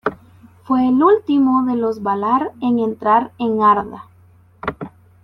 Fue el último de los valar en entrar en Arda.